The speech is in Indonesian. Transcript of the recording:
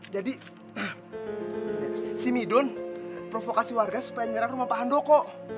jadi si midun provokasi warga supaya nyerang rumah pak handoko